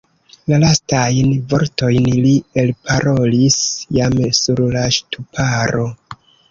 La lastajn vortojn li elparolis jam sur la ŝtuparo.